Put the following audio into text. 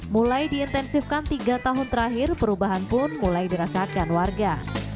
mulai diintensifkan tiga tahun terakhir perubahan pun mulai dirasakan warga